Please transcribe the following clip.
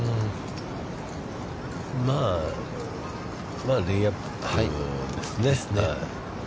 まあ、レイアップですね。